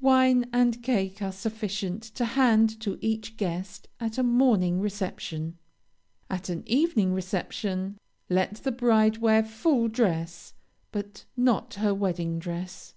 Wine and cake are sufficient to hand to each guest at a morning reception. At an evening reception let the bride wear full dress, but not her wedding dress.